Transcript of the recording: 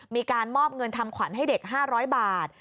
มีการมอบเงินทำขวัญให้เด็ก๕๐๐บาท